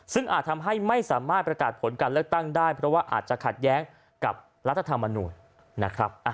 ซึ่งอาจทำให้ไม่สามารถประกาศผลการเลือกตั้งได้เพราะว่าอาจจะขัดแย้งกับรัฐธรรมนูญนะครับ